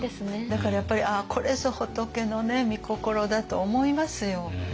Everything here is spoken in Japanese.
だからやっぱりこれぞ仏のね御心だと思いますよ。